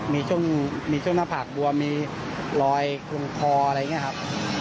มีช่วงมีช่วงหน้าผลักบวมมีลอยกลวงคลออะไรเงี้ยครับ